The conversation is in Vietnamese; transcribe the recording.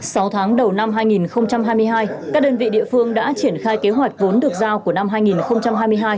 sau tháng đầu năm hai nghìn hai mươi hai các đơn vị địa phương đã triển khai kế hoạch vốn được giao của năm hai nghìn hai mươi hai